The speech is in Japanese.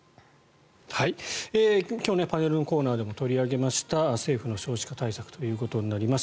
今日パネルのコーナーでも取り上げました政府の少子化対策ということになります。